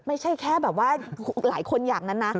ไม่ใช่แค่แบบว่าหลายคนอย่างนั้นนะ